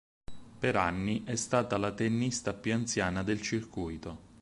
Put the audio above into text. Per anni è stata la tennista più anziana del circuito.